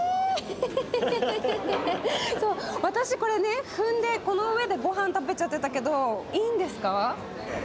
そう私これね踏んでこの上で御飯食べちゃってたけどいいんですか？